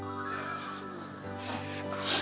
すごい！